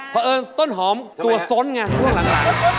พอเออต้นหอมตัวซ้นไงช่วงหลัง